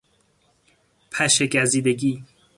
پشه گزیدگی